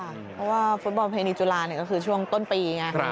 เพราะว่าฟุตบอลเพณีจุฬาธรรมศาสตร์ก็คือช่วงต้นปี